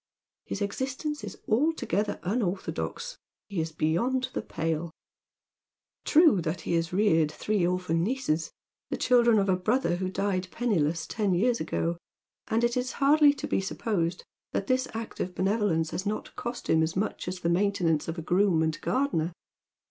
His existence is altogether unorthodox. He is beyond the pale. True that he has reared three orphan nieces, the children of a brother who died penniless ten years ago ; and it is hardly to be supposed that this act of benevolence has not cost him as much as the maintainance of a groom and gardener.